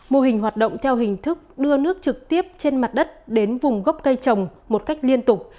mô hình hoạt động theo hình thức đưa nước trực tiếp trên mặt đất đến vùng gốc cây trồng một cách liên tục